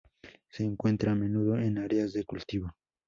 Se encuentra a menudo en áreas de cultivo.